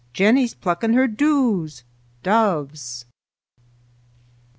Jennie's plucking her doos (doves)!"